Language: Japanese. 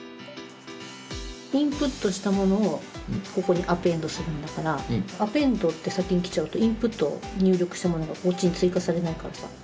インプットしたものをここにアペンドするんだからアペンドって先にきちゃうとインプット入力したものがこっちに追加されないからさ。